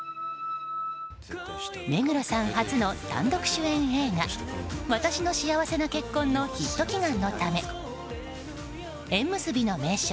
目黒さん初の単独主演映画「わたしの幸せな結婚」のヒット祈願のため縁結びの名所